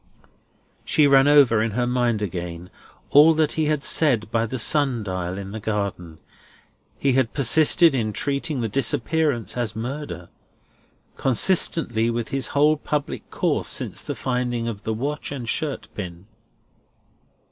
She ran over in her mind again, all that he had said by the sun dial in the garden. He had persisted in treating the disappearance as murder, consistently with his whole public course since the finding of the watch and shirt pin.